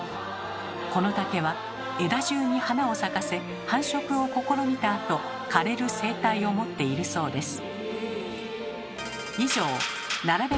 この竹は枝じゅうに花を咲かせ繁殖を試みたあと枯れる生態を持っているそうです。